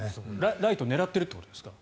ライトを狙っているってことですか？